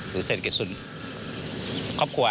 เศรษฐกิจส่วนครอบครัว